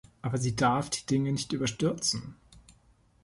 Aber sie darf die Dinge nicht überstürzen.